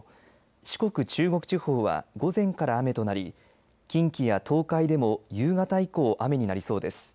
四国、中国地方は午前から雨となり近畿や東海でも夕方以降雨になりそうです。